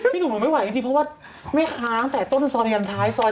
พี่หนูก็ไม่ไหวอันทิศที่เพราะว่าไม่ค้างสายต้นซอร์ยันทรายซอร์ยาว